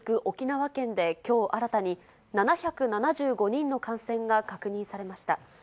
沖縄県で、きょう新たに７７５人の感染が確認されました。